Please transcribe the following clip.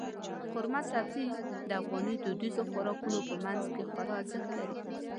قورمه سبزي د افغاني دودیزو خوراکونو په منځ کې خورا ارزښت لري.